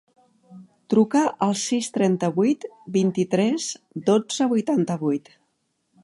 Truca al sis, trenta-vuit, vint-i-tres, dotze, vuitanta-vuit.